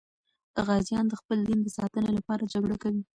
غازیان د خپل دین د ساتنې لپاره جګړه کوي.